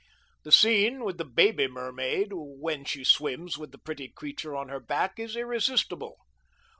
The scene with the baby mermaid, when she swims with the pretty creature on her back, is irresistible.